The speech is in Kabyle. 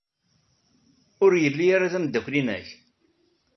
Ur yelli ara d ameddakel-nnek?